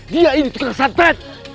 dia ini tukang santet